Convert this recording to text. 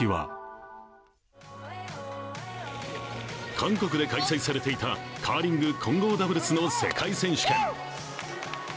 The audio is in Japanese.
韓国で開催されていたカーリング混合ダブルスの世界選手権。